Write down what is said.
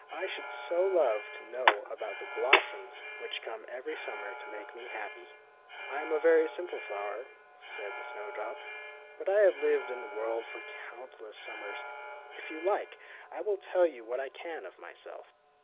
I should so love to know about the blossoms which come every summer to make me happy. ''I am a very simple flower," said the snow drop, ^' but I have lived in the world for coimt less summers. If you like, I will tell you what I can of myself."